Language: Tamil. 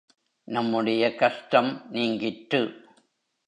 நம்முடைய கஷ்டம் நீங்கிற்று.